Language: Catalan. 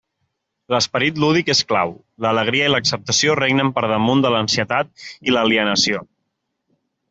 L'esperit lúdic és clau, l'alegria i l'acceptació regnen per damunt de l'ansietat i l'alienació.